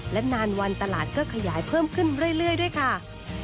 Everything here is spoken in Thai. และนานวันตลาดก็ขยายเพิ่มขึ้นเรื่อยด้วยค่ะ